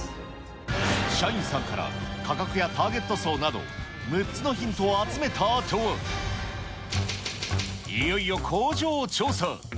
社員さんから価格やターゲット層など６つのヒントを集めたあとは、いよいよ工場を調査。